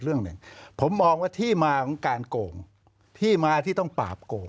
เรื่องหนึ่งผมมองว่าที่มาของการโกงที่มาที่ต้องปราบโกง